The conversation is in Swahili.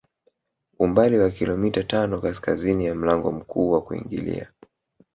Umbali wa kilomita tano kaskazini ya mlango mkuu wa kuingilia